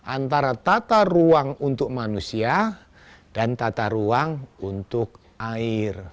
antara tata ruang untuk manusia dan tata ruang untuk air